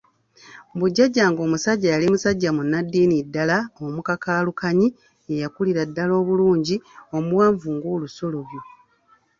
Mbu Jjajjange omusajja yali musajja munnaddiini ddala, omukakaalukanyi, eyakulira ddala obulungi, omuwanvu ng'olusolobyo.